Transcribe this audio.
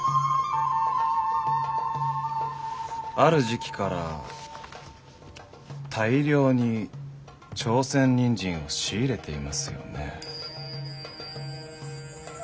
ある時期から大量に朝鮮人参を仕入れていますよね。